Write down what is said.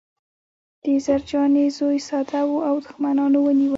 د زرجانې زوی ساده و او دښمنانو ونیوه